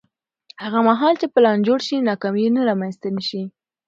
هغه مهال چې پلان جوړ شي، ناکامي به رامنځته نه شي.